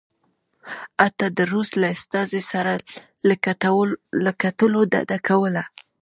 حتی د روس له استازي سره له کتلو ډډه کوله.